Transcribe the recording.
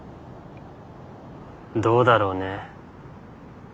どうだろうね。